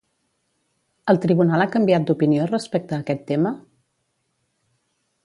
El tribunal ha canviat d'opinió respecte a aquest tema?